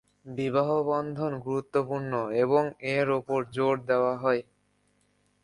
বিবাহবন্ধন গুরুত্বপূর্ণ এবং এর ওপর জোর দেওয়া হয়।